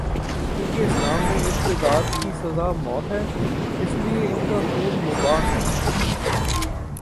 چونکہ اسلام میں ارتداد کی سزا موت ہے، اس لیے ان کا خون مباح ہے۔